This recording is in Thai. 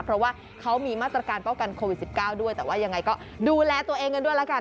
เพราะว่าเขามีมาตรการป้องกันโควิด๑๙ด้วยแต่ว่ายังไงก็ดูแลตัวเองกันด้วยแล้วกัน